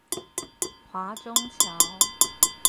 華中橋